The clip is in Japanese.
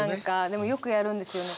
でもよくやるんですよね。